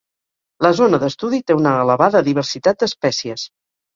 La zona d'estudi té una elevada diversitat d'espècies.